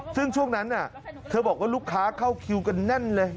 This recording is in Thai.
ซึ่งช่วงนั้นเธอบอกว่าลูกค้าเข้าคิวกันแน่นเลย